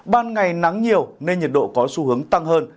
ban ngày nắng nhiều nên nhiệt độ có xu hướng